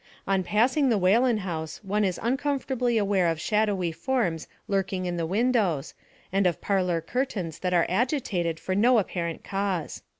On passing the Whalen house one is uncomfortably aware of shad owy forms lurking in the windows, and of parlor cur tains that are agitated for no apparent cause."